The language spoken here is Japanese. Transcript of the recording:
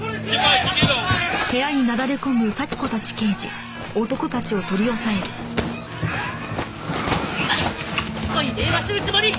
どこに電話するつもり？